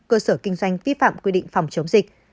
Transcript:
cơ sở kinh doanh vi phạm quy định phòng chống dịch